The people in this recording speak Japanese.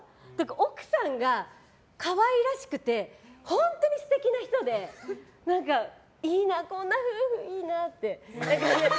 奥さんが可愛らしくて本当に素敵な人でいいなこんな夫婦、いいなって。